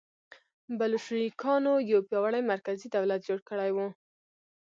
بلشویکانو یو پیاوړی مرکزي دولت جوړ کړی و.